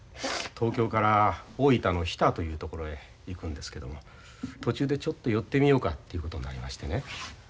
東京から大分の日田という所へ行くんですけども途中でちょっと寄ってみようかということになりましてね。